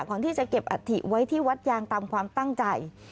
ก่อนที่จะเก็บอัฐิไว้ที่วัดยางตามความตั้งใจ